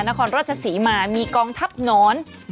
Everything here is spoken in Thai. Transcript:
นครราชศรีมามีกองทัพหนอน